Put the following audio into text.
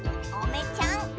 おめちゃん